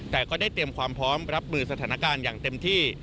แต่ก็ได้เตรียมความพร้อมรับมือสถานการณ์อย่างเต็มที่